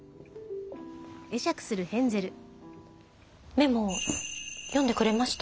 メモ読んでくれました？